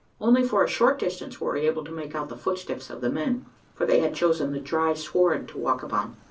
Only for a short distance were we able to make out the footsteps of the men: for they had chosen the dry sward to walk upon.